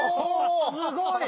すごい！